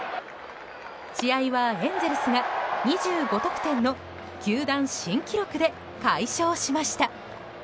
試合は、エンゼルスが２５得点の球団新記録で快勝しました。